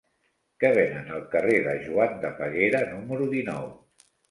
Què venen al carrer de Joan de Peguera número dinou?